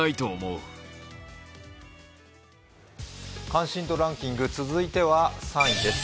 関心度ランキング、続いては３位です。